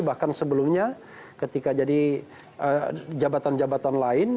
bahkan sebelumnya ketika jadi jabatan jabatan lain